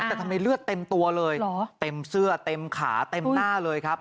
แต่ทำไมเลือดเต็มตัวเลยเต็มเสื้อเต็มขาเต็มหน้าเลยครับ